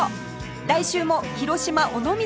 来週も広島尾道